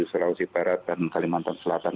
sulawesi barat dan kalimantan selatan